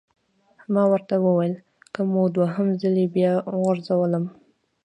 ما ورته وویل: که مو دوهم ځلي بیا وغورځولم!